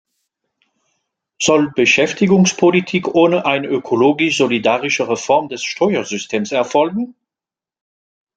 Soll Beschäftigungspolitik ohne eine ökologisch-solidarische Reform des Steuersystems erfolgen?